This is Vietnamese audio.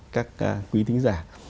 các quý thính giả